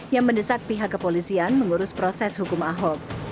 yang mendesak pihak kepolisian mengurus proses hukum ahok